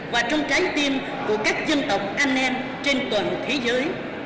và trong trái tim của các dân tộc anh em trên toàn thế giới